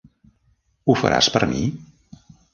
Ho faràs per mi?